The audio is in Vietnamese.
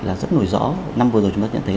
là rất nổi rõ năm vừa rồi chúng ta nhận thấy